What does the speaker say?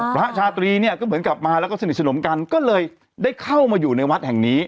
พระชาตรีเนี่ยก็เหมือนกลับมาแล้วก็สนิทสนมกันก็เลยได้เข้ามาอยู่ในวัดแห่งนี้